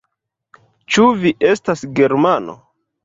Ĉu vi estas germano?